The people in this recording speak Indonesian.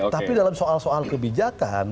tapi dalam soal soal kebijakan